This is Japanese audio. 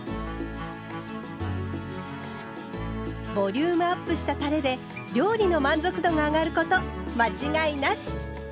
ボリュームアップしたたれで料理の満足度が上がること間違いなし！